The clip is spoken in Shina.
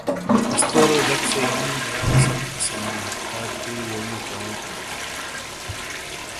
استورو جک سے یونو بیاک سم تھے سنینا تاکہ یونو چاؤوں نے بوت۔